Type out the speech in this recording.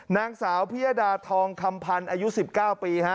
นางสาวพิยดาทองคำพันธ์อายุ๑๙ปี